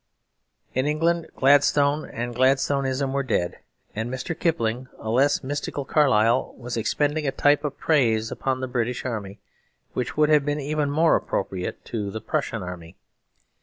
In England Gladstone and Gladstonism were dead; and Mr. Kipling, a less mystical Carlyle, was expending a type of praise upon the British Army which would have been even more appropriate to the Prussian Army.